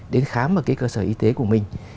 đến khám ở cơ sở y tế của mình